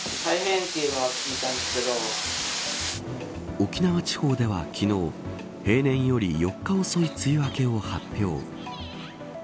沖縄地方では昨日平年より４日遅い梅雨明けを発表。